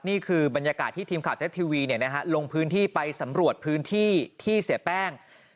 นี่คือบรรยากาศที่ทีมข่าวเท็จทีวีลงพื้นที่ไปสำรวจพื้นที่ที่เสียแป้ง